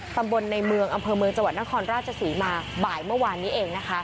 ตำบลในเมืองอำเภอเมืองจังหวัดนครราชศรีมาบ่ายเมื่อวานนี้เองนะคะ